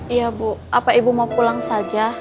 iya bu apa ibu mau pulang saja